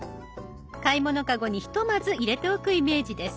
買い物かごにひとまず入れておくイメージです。